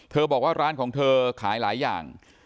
บอกว่าร้านของเธอขายหลายอย่าง